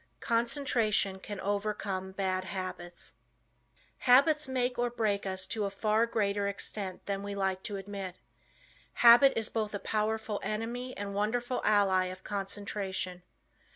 CONCENTRATION CAN OVERCOME BAD HABITS Habits make or break us to a far greater extent than we like to admit. Habit is both a powerful enemy and wonderful ally of concentration.